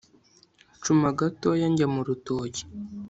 ncuma gatoya njya mu rutoki